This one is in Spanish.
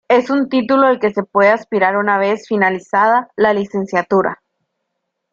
Es un título al que se puede aspirar una vez finalizada la Licenciatura.